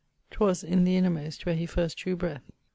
'Twas in the innermost where he first drew breath.